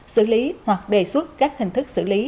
xử lý hoặc đề xuất các hình thức xử lý